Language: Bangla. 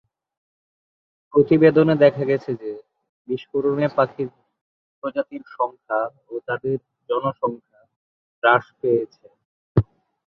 প্রতিবেদনে দেখা গেছে যে বিস্ফোরণে পাখির প্রজাতির সংখ্যা এবং তাদের জনসংখ্যা হ্রাস পেয়েছে।